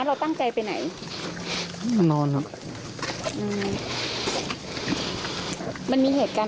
ครับฝนข้างหน้าด้วยด้วยครับ